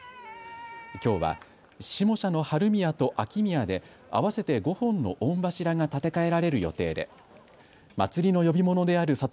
きょうは下社の春宮と秋宮で合わせて５本の御柱が建て替えられる予定で祭りの呼び物である里